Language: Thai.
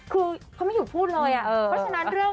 คือเขาไม่หยุดพูดเลยอ่ะเพราะฉะนั้นเรื่อง